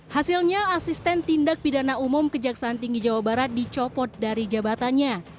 hasilnya asisten tindak pidana umum kejaksaan tinggi jawa barat dicopot dari jabatannya